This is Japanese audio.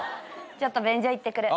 ちょっと便所行ってくる。